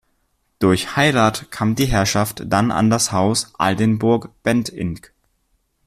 Durch Heirat kam die Herrschaft dann an das Haus Aldenburg-Bentinck.